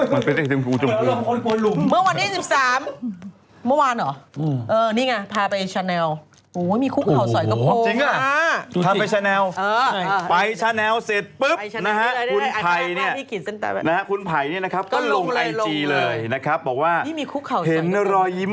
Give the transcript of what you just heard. เมื่อวันที่สิบสาม